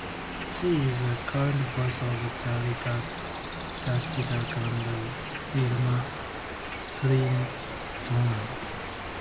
She is the current voice of Daisy Duck and Wilma Flintstone.